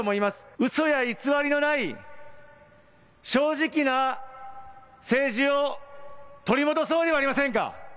うそや偽りのない正直な政治を取り戻そうではありませんか。